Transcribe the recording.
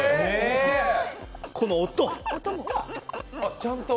この音。